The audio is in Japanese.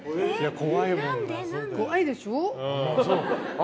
怖いでしょう。